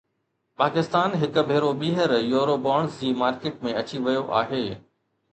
پاڪستان هڪ ڀيرو ٻيهر يورو بانڊز جي مارڪيٽ ۾ اچي ويو آهي